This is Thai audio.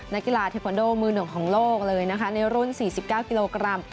นักกีฬาเทคโนโดมือหนุ่มของโลกในรุ่น๔๙กิโลกรัม